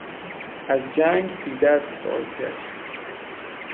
از جنگ بی دست بازگشت.